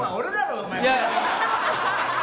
お前。